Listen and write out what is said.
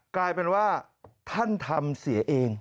กลายเป็นว่าท่านทำเสียเอง